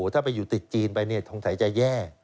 ถ้าไปอยู่ติดจีนไปสงสัยจะแย่